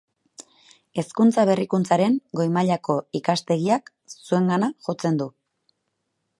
Hezkuntza Berrikuntzaren Goi Mailako Ikastegiak zuengana jotzen du.